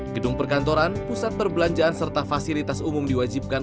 gedung perkantoran pusat perbelanjaan serta fasilitas umum diwajibkan